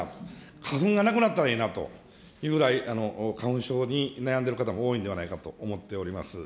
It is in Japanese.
花粉がなくなったらいいなというぐらい、花粉症に悩んでる方が多いんではないかと思っております。